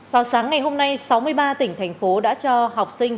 vào sáng ngày hôm nay sáu mươi ba tỉnh thành phố đã cho học sinh